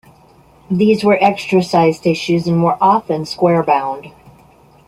These were extra-sized issues, and were often square-bound.